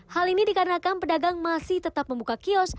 hal ini dikarenakan pedagang masih tetap membuka kios